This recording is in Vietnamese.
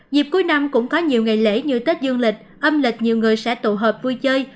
dịp cuối năm cũng có nhiều ngày lễ như tết dương lịch âm lịch nhiều người sẽ tụ hợp vui chơi